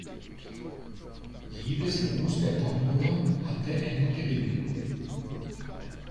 Jedes Los der Tombola hatte einen Gewinn.